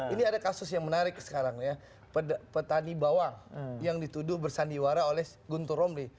ini ada kasus yang menarik sekarang ya petani bawang yang dituduh bersandiwara oleh guntur romli